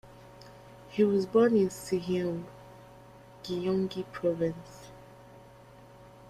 He was born in Siheung, Gyeonggi province.